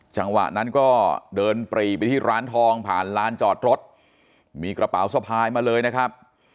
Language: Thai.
จังหวะนั้นก็เดินปรีไปที่ร้านทองผ่านลานจอดรถมีกระเป๋าสะพายมาเลยนะครับ